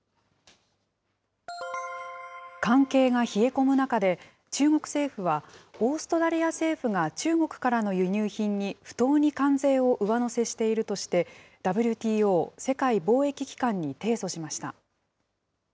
関係が冷え込む中で、中国政府は、オーストラリア政府が中国からの輸入品に不当に関税を上乗せしているとして、ＷＴＯ・世界貿易機関に提訴しました。